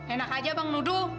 enak saja bang nudu